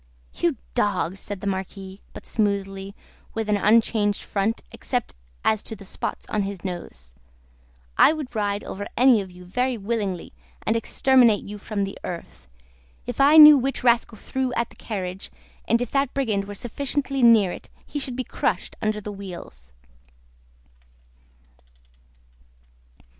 "You dogs!" said the Marquis, but smoothly, and with an unchanged front, except as to the spots on his nose: "I would ride over any of you very willingly, and exterminate you from the earth. If I knew which rascal threw at the carriage, and if that brigand were sufficiently near it, he should be crushed under the wheels."